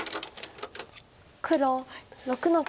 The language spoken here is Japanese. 黒６の九。